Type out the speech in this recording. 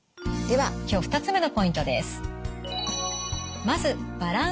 では今日２つ目のポイントです。